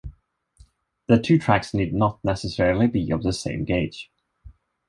The two tracks need not necessarily be of the same gauge.